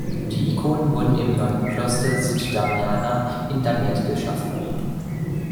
Die Ikonen wurden im Nonnenkloster Sitt-Damiana in Damiette geschaffen.